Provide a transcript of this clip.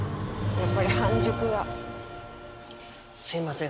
やっぱり半熟はすいません